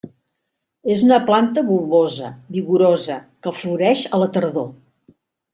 És una planta bulbosa, vigorosa, que floreix a la tardor.